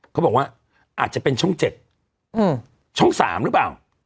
เขาบอกว่าอาจจะเป็นช่อง๗ช่อง๓หรือเปล่า